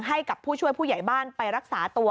ให้กับผู้ช่วยผู้ใหญ่บ้านไปรักษาตัว